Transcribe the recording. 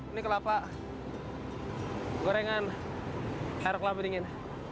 ini kelapa gorengan air kelapa dingin